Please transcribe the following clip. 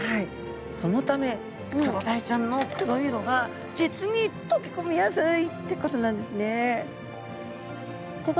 そのためクロダイちゃんの黒い色が実に溶け込みやすいってことなんですね。